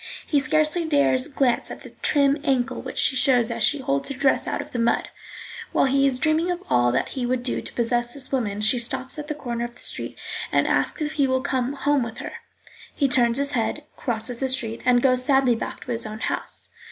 He scarcely dares glance at the trim ankle which she shows as she holds her dress out of the mud. While he is dreaming of all that he would do to possess this woman, she stops at the corner of the street and asks if he will come home with her. He turns his head, crosses the street, and goes sadly back to his own house.